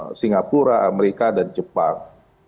jadi ya semakin kuat peranan tiongkok dalam hutang kita